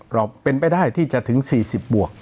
เราเป็นไปได้ที่จะถึง๔๐บวก